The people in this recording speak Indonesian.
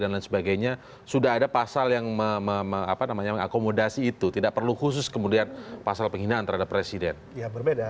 untuk r stigma perekadernya yang jatuh apa mereka build itu ini titipkan berupa pemblesanan secara raspberry best superhero